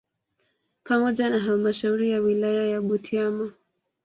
Pamoja na halmashauri ya wilaya ya Butiama